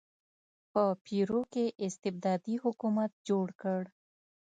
په پیرو کې استبدادي حکومت جوړ کړ.